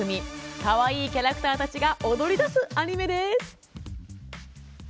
かわいいキャラクターたちが踊りだすアニメです。